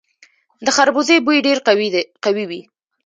د خربوزې بوی ډیر قوي وي.